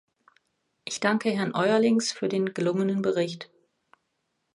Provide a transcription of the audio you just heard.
Ich danke Herrn Eurlings für den gelungenen Bericht.